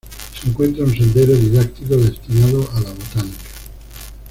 Se encuentra un sendero didáctico destinado a la botánica.